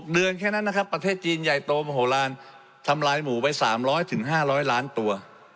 เดือนแค่นั้นนะครับประเทศจีนใหญ่โตมโหลานทำลายหมูไป๓๐๐๕๐๐ล้านตัว